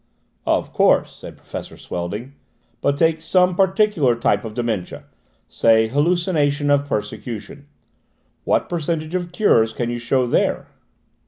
"Of course," said Professor Swelding; "but take some particular type of dementia, say, hallucination of persecution. What percentage of cures can you show there?"